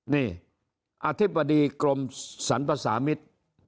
นี่อธิบดีกรมสรรพสามิตร